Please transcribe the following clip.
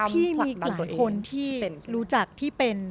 ที่มีหลายคนที่รู้จักที่เป็น